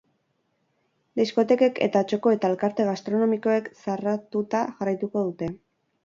Diskotekek eta txoko eta elkarte gastronomikoek zarratuta jarraituko dute.